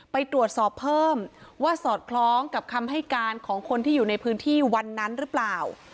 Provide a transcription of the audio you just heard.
ไปตรวจสอบเพิ่มว่าสอดคล้องกับคำให้การของคนที่อยู่ในพื้นที่วันนั้นหรือเปล่า